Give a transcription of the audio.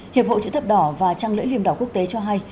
hiệp hội chữ thập đỏ và trang lưỡi liêm đảo quốc tế cho hay